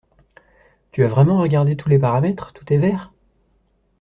Tu as vraiment regardé tous les paramètres? Tout est vert ?